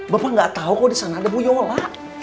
bapak nggak tahu kok di sana ada bu guryola